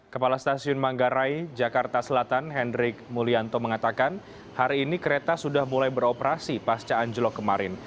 kepala stasiun manggarai jakarta selatan hendrik mulyanto mengatakan hari ini kereta sudah mulai beroperasi pasca anjlok kemarin